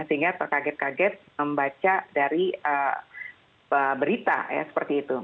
sehingga terkaget kaget membaca dari berita ya seperti itu